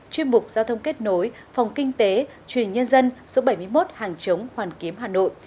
chuyên mục giao thông kết nối phòng kinh tế truyền hình nhân dân số bảy mươi một hàng chống hoàn kiếm hà nội